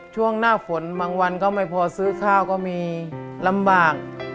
ช่วงหน้าฝนบางวันก็ไม่พอซื้อข้าวก็มีลำบาก